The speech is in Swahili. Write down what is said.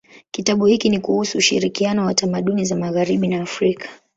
Kitabu hiki ni kuhusu ushirikiano wa tamaduni za magharibi na Afrika.